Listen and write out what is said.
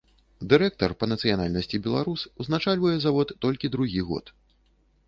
Дырэктар па нацыянальнасці беларус, узначальвае завод толькі другі год.